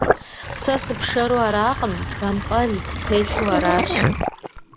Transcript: Сэ сыпшэру аракъым, бампӏэл стелъу аращ.